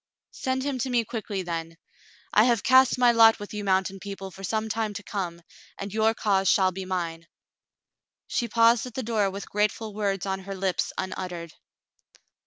"Send him to me quickly, then. I have cast my lot with you mountain people for some time to come, and your cause shall be mine." She paused at the door with grateful words on her lips unuttered.